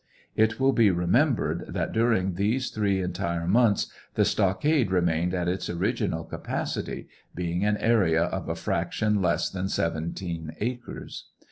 It will be remembered that during these three entire months the stockade remained at its original capacity, being an area of a fraction less than seventeen acres.